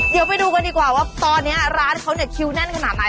เดี๋ยวไปดูกันดีกว่าว่าตอนนี้ร้านเขาเนี่ยคิวแน่นขนาดไหน